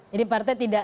jadi partai tidak